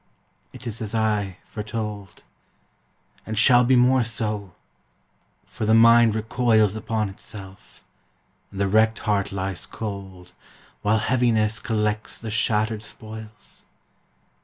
it is as I foretold, And shall be more so; for the mind recoils Upon itself, and the wrecked heart lies cold, While Heaviness collects the shattered spoils.